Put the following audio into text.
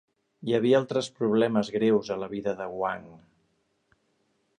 Hi havia altres problemes greus a la vida de Wang.